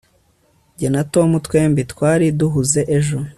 jye na tom twembi twari duhuze ejo